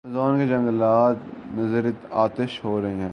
Amazon کے جنگلات نذرِ آتش ہو رہے ہیں۔